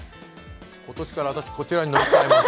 今年から私、こちらに乗り換えます。